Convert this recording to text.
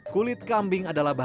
kulit kambing adalah bahan